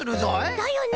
だよね！